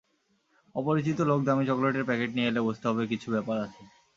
অপরিচিত লোক দামী চকলেটের প্যাকেট নিয়ে এলে বুঝতে হবে কিছু ব্যাপার আছে।